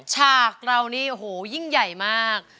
ฉากเรานี่โอ้โหยิ่งใหญ่มาก